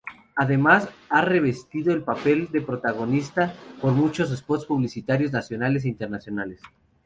Además ha revestido el papel de protagonista por muchos spots publicitarios nacionales e internacionales.